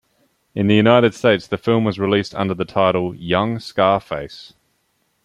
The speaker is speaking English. In the United States, the film was released under the title "Young Scarface".